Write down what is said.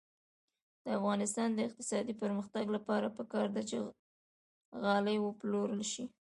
د افغانستان د اقتصادي پرمختګ لپاره پکار ده چې غالۍ وپلورل شي.